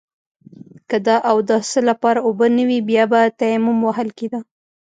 که د اوداسه لپاره اوبه نه وي بيا به تيمم وهل کېده.